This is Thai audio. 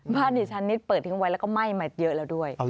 บ้านดิฉันนี่เปิดทิ้งไว้แล้วก็ไหม้มาเยอะแล้วด้วย